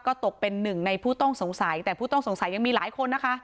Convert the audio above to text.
ก็ตกเป็นหนึ่งในผู้ต้องสงสัยแต่ผู้ต้องสงสัยยังมีหลายคนนะคะ